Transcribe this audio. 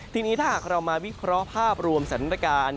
ทีนี้ถ้าหากเรามาวิเคราะห์ภาพรวมสัญลักษณะการ